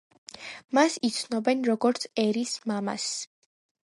მას იცნობენ, როგორც „ერის მამას“.